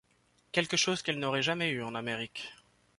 Quelque chose qu'elle n'aurait jamais eu en Amérique.